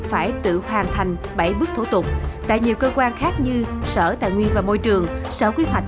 phải tự hoàn thành bảy bước thủ tục tại nhiều cơ quan khác như sở tài nguyên và môi trường sở quy hoạch